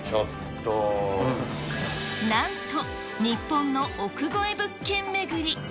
なんと、日本の億超え物件巡り。